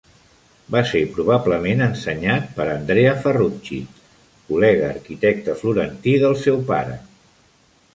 Va ser probablement ensenyat per Andrea Ferrucci, col·lega arquitecte florentí del seu pare.